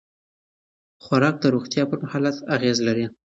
خوراک د روغتیا پر حالت اغېز لري.